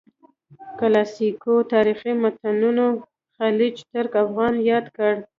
کلاسیکو تاریخي متونو خلج، ترک او افغان یاد کړي.